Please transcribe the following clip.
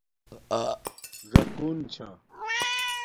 ژَکُن چھا